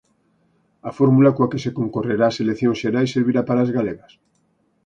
A fórmula coa que se concorrerá ás eleccións xerais servirá para a as galegas?